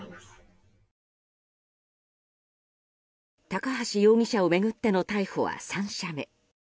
高橋容疑者を巡っての逮捕は３社目。